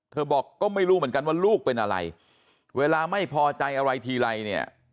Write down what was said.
บอกก็ไม่รู้เหมือนกันว่าลูกเป็นอะไรเวลาไม่พอใจอะไรทีไรเนี่ย